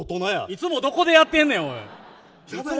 いつもどこでやってんねん！